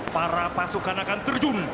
para pasukan akan terjun